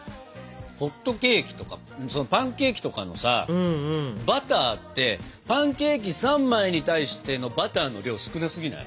ホットケーキとかパンケーキとかのさバターってパンケーキ３枚に対してのバターの量少なすぎない？